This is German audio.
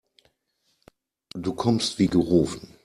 Du kommst wie gerufen.